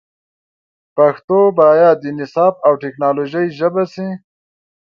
پښتو باید د نصاب او ټکنالوژۍ ژبه سي